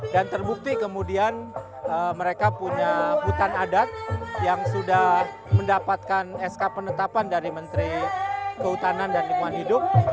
dan terbukti kemudian mereka punya hutan adat yang sudah mendapatkan sk penetapan dari menteri kehutanan dan lingkungan hidup